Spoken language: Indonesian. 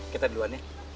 kita duluan ya